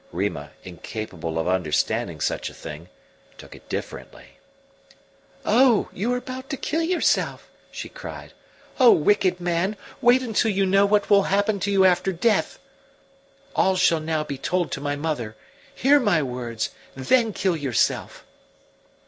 Rima, incapable of understanding such a thing, took it differently. "Oh, you are going to kill yourself." she cried. "Oh, wicked man, wait until you know what will happen to you after death. All shall now be told to my mother. Hear my words, then kill yourself."